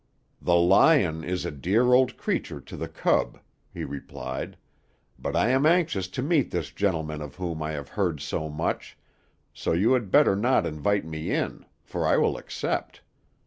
"The lion is a dear old creature to the cub," he replied, "but I am anxious to meet this gentleman of whom I have heard so much, so you had better not invite me in, for I will accept.